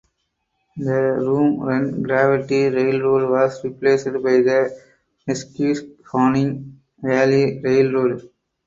The Room Run Gravity Railroad was replaced by the Nesquehoning Valley Railroad.